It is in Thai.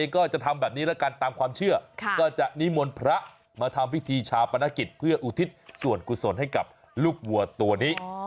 ก็จะนิวมนต์พระมาทำพิธีชาวประณะกิจเพื่ออุทิศส่วนกุศลให้กับลูกวัวตัวนี้